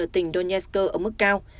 ở tỉnh donetsk ở mức cao